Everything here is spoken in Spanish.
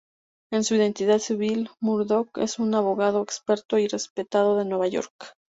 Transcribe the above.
En su identidad civil, Murdock es un abogado experto y respetado de Nueva York.